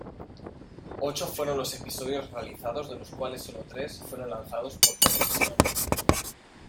Ocho fueron los episodios realizados de los cuales solo tres fueron lanzados por televisión.